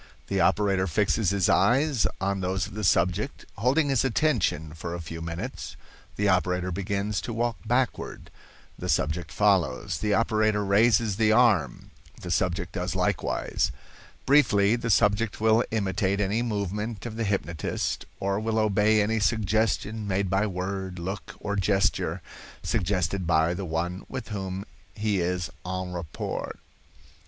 The operator fixes his eyes on those of the subject. Holding his attention for a few minutes, the operator begins to walk backward; the subject follows. The operator raises the arm; the subject does likewise. Briefly, the subject will imitate any movement of the hypnotist, or will obey any suggestion made by word, look or gesture, suggested by the one with whom he is en rapport.